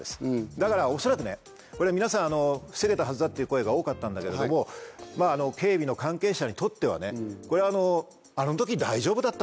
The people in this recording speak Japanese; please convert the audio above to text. だから恐らくこれ皆さん防げたはずだっていう声が多かったんだけども警備の関係者にとってはねこれはあの時大丈夫だったんだから。